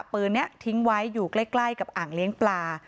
ปืนนี้ทิ้งไว้อยู่ใกล้กับอ่างเลี้ยงปลา